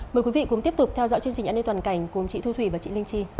mời quý vị cùng tiếp tục theo dõi chương trình an ninh toàn cảnh cùng chị thu thủy và chị linh chi